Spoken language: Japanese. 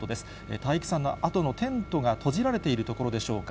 体育祭のあとのテントが閉じられているところでしょうか。